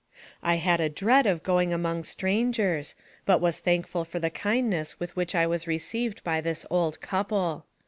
I had a dread of going among strangers, but was thankful for the kindness with which I was received by this old couple.